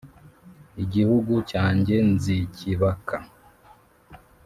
igihugu cyanjye nzikibaka